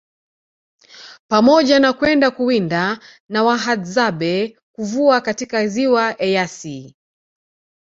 Pamoja na kwenda kuwinda na wahadzabe Kuvua katika Ziwa Eyasi